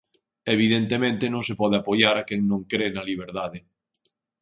Evidentemente, non se pode apoiar a quen non cre na liberdade.